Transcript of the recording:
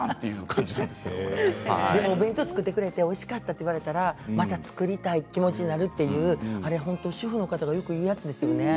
でもお弁当を作ってくれておいしかったと言われたらまた作りたい気持ちになるって主婦の方がよく言うやつですよね